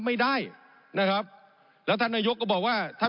ผมอภิปรายเรื่องการขยายสมภาษณ์รถไฟฟ้าสายสีเขียวนะครับ